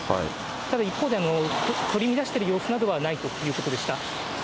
ただ一方で、取り乱してる様子などはないということでした。